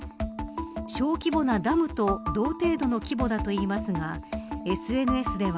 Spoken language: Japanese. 小規模なダムと同程度の規模だといいますがＳＮＳでは。